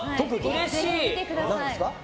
うれしい。